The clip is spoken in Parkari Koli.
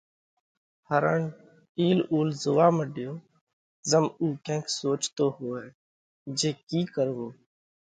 هرڻ اِيل اُول زوئا مڏيو، زم اُو ڪينڪ سوچتو هوئہ جي ڪِي ڪروو